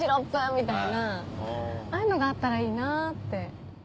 みたいなああいうのがあったらいいなって。